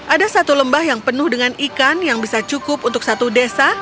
ada satu lembah yang penuh dengan ikan yang bisa cukup untuk satu desa